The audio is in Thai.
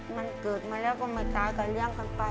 มันเกิดมาแล้วก็ไม่ใช่การเลี่ยงกันไป